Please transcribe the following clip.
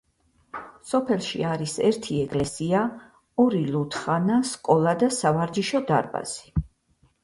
სოფელში არის ერთი ეკლესია, ორი ლუდხანა, სკოლა და სავარჯიშო დარბაზი.